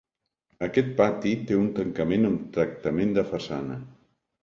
Aquest pati té un tancament amb tractament de façana.